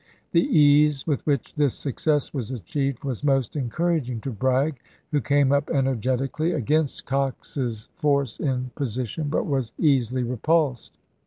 The ease with which this success was achieved was most encouraging to Bragg, who came up energetically against Cox's force in position, but was easily re pulsed.